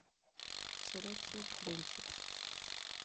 Seleksje printsje.